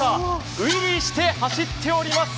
ウイリーして走っております